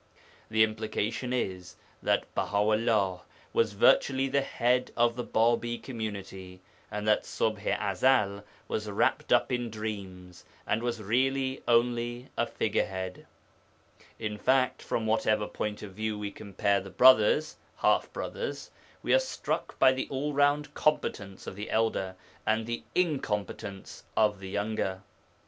The implication is that Baha 'ullah was virtually the head of the Bābī community, and that Ṣubḥ i Ezel was wrapt up in dreams, and was really only a figurehead. In fact, from whatever point of view we compare the brothers (half brothers), we are struck by the all round competence of the elder and the incompetence of the younger.